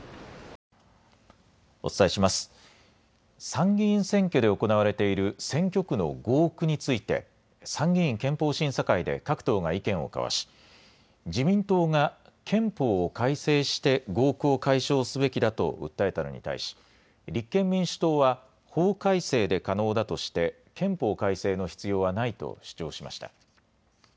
参議院選挙で行われている選挙区の合区について、参議院憲法審査会で各党が意見を交わし、自民党が、憲法を改正して合区を解消すべきだと訴えたのに対し、立憲民主党は、法改正で可能だとして、憲法改正の必要はないと主張しました。